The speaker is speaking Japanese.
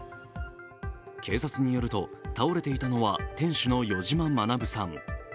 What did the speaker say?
警察によると倒れていたのは店主の余嶋学さん。